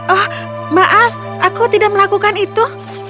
oh maaf aku tidak melakukan itu